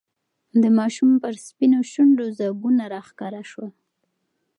د ماشوم پر سپینو شونډو ځگونه راښکاره شول.